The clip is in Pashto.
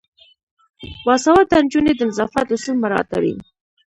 باسواده نجونې د نظافت اصول مراعاتوي.